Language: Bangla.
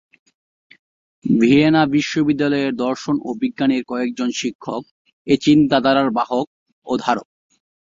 ভিয়েনা বিশ্ববিদ্যালয়ের দর্শন ও বিজ্ঞানের কয়েকজন শিক্ষক এ-চিন্তাধারার বাহক ও ধারক।